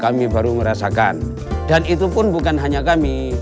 kami baru merasakan dan itu pun bukan hanya kami